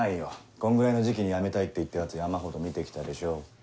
こんぐらいの時期に辞めたいって言ったヤツ山ほど見て来たでしょ。